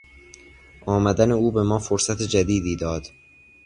آمدن او به ما فرصت جدیدی داد.